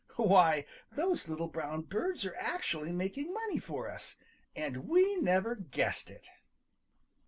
Why, those little brown birds are actually making money for us, and we never guessed it!"